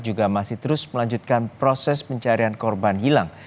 juga masih terus melanjutkan proses pencarian korban hilang